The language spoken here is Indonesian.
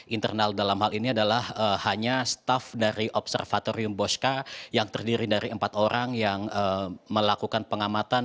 internal dalam hal ini adalah hanya staff dari observatorium bosca yang terdiri dari empat orang yang melakukan pengamatan